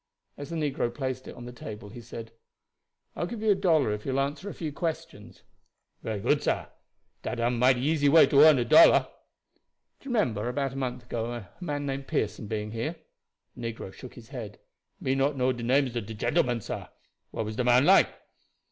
As the negro placed it on the table he said: "I will give you a dollar if you will answer a few questions." "Very good, sah. Dat am a mighty easy way to earn a dollar." "Do you remember, about a month ago, a man named Pearson being here?" The negro shook his head. "Me not know de names of de gentlemen, sah. What was de man like?"